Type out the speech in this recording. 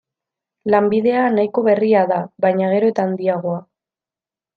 Lanbidea nahiko berria da, baina gero eta handiagoa.